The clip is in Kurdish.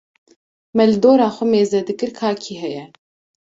me li dora xwe mêzedikir ka kî heye.